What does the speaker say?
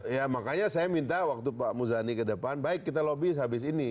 ya makanya saya minta waktu pak muzani ke depan baik kita lobby habis ini